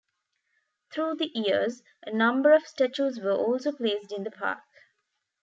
Through the years, a number of statues were also placed in the park.